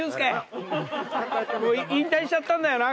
引退しちゃったんだよな。